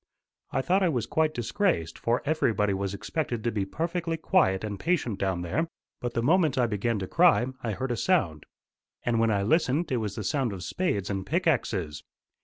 I thought I was quite disgraced, for everybody was expected to be perfectly quiet and patient down there. But the moment I began to cry, I heard a sound. And when I listened it was the sound of spades and pickaxes.